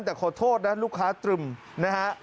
แต่ขอโทษนะลูกค้าตรึมนะฮะ